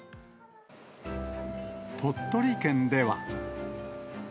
鳥取県では。